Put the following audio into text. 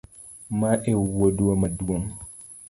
Ma ewuoda maduong’?